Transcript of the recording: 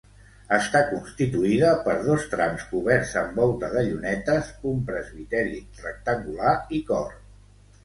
Està constituïda per dos trams coberts amb volta de llunetes, un presbiteri rectangular i cor.